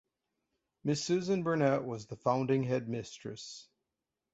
Miss Susan Burnett was the founding headmistress.